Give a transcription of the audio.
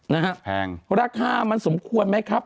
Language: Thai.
นี่ครับราคามันสมควรไหมครับ